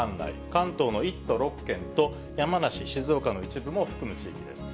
関東の１都６県と山梨、静岡の一部を含む地域です。